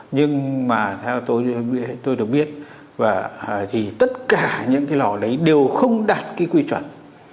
nhưng mà theo tôi được biết tất cả những cái lò đấy đều không đạt cái quy chuẩn